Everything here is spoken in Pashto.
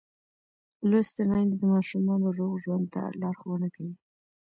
لوستې میندې د ماشومانو روغ ژوند ته لارښوونه کوي.